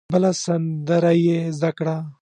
بله سندره یې زده کړه.